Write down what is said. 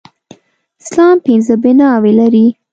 اسلام پينځه بلاوي لري.